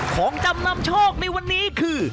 ของจำนำโชคในวันนี้คือ